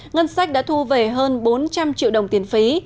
ngân sách đã thu về hơn bốn trăm linh triệu đồng tiền phí